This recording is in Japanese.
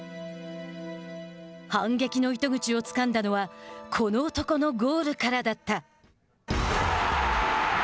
反撃の糸口をつかんだのはこの男のゴールからだった。